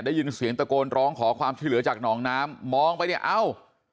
ได้ยินเสียงตะโกนร้องขอความช่วยเหลือจากหนองน้ำมองไปเนี่ยเอ้า